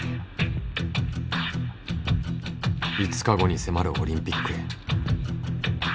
５日後に迫るオリンピックへ。